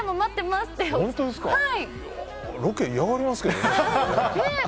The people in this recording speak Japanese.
ロケ、嫌がりますけどね。